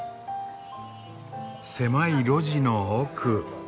狭い路地の奥。